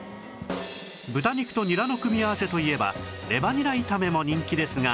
豚肉とニラの組み合わせといえばレバニラ炒めも人気ですが